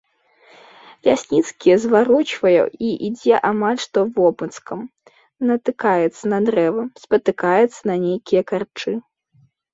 Лясніцкі зварочвае і ідзе амаль што вобмацкам, натыкаецца на дрэвы, спатыкаецца на нейкія карчы.